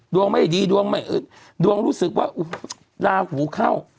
ดวงไม่ดีดวงรู้สึกว่าราหูเข้า